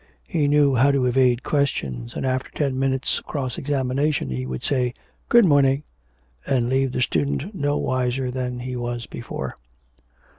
He knew how to evade questions, and after ten minutes' cross examination he would say 'Good morning,' and leave the student no wiser than he was before.